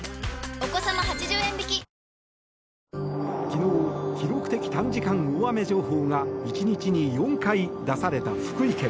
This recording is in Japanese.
昨日、記録的短時間大雨情報が１日に４回出された福井県。